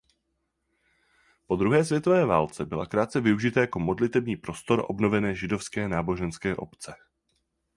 Po druhé světové válce byla krátce využita jako modlitební prostor obnovené židovské náboženské obce.